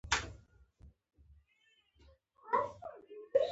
وزې د کور غږونه پېژني